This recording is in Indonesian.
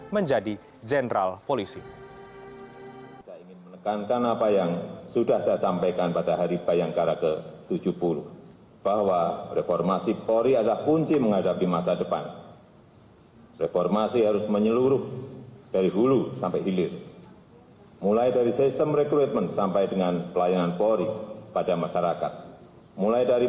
menjadi jendral polisi